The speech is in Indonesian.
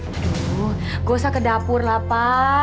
tuh gue usah ke dapur lah pa